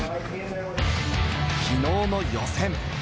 昨日の予選。